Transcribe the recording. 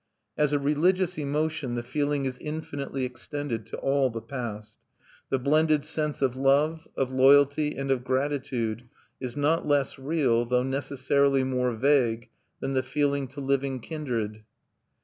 As a religious emotion the feeling is infinitely extended to all the past; the blended sense of love, of loyalty, and of gratitude is not less real, though necessarily more vague, than the feeling to living kindred.